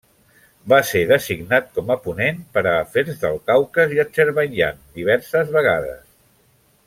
Va ser designat com a ponent per a afers del Caucas i Azerbaidjan diverses vegades.